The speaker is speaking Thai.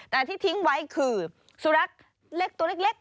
แต่ที่ทิ้งไว้คือสุนัขเล็กตัวเล็ก